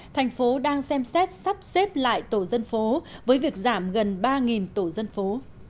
thành phố đang xem xét sắp xếp lại tổ dân phố với việc giảm gần ba tổ dân phố